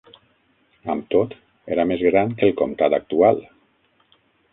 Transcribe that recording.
Amb tot, era més gran que el comtat actual.